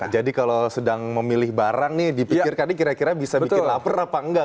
jadi kalau sedang memilih barang nih dipikirkan nih kira kira bisa bikin lapar apa enggak